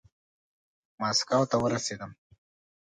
ماسکو ته ورسېدم.